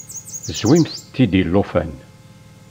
Zwimt-t-id i llufan.